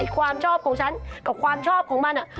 ความชอบของฉันกับความชอบของมัน